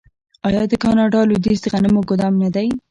آیا د کاناډا لویدیځ د غنمو ګدام نه دی؟